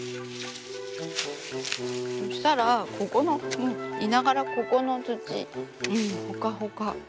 そしたらここのいながらここの土ほかほか。